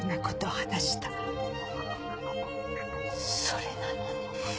それなのに。